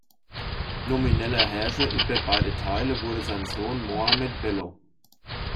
Nomineller Herrscher über beide Teile wurde sein Sohn Mohammed Bello.